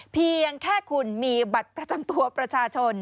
เพียงแค่คุณมีบัตรประจำตัวประชาชน